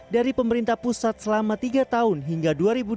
dari pemerintah pusat selama tiga tahun hingga dua ribu dua puluh